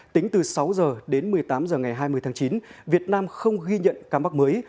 tính từ sáu h đến một mươi tám h ngày hai mươi tháng chín việt nam không ghi nhận ca mắc mới